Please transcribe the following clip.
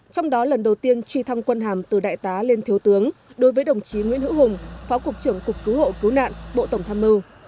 trong đó lần đầu tiên truy thăng quân hàm từ đại tá lên thiếu tướng đối với đồng chí nguyễn hữu hùng phó cục trưởng cục cứu hộ cứu nạn bộ tổng tham mưu